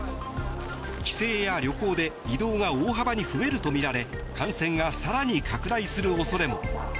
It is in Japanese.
帰省や旅行で移動が大幅に増えるとみられ感染が更に拡大する恐れも。